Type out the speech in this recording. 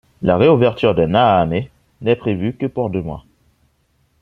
La réouverture de Naaamé n'est prévue que pour deux mois.